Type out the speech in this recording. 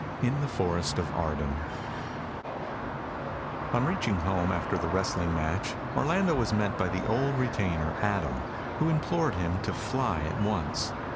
In the Forest of Arden On reaching home after the wrestling match, Orlando was met by the old retainer, Adam, who implored him to fly at once.